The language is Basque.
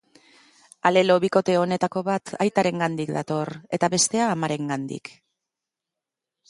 Alelo bikote honetako bat aitarengandik dator, eta bestea amarengandik.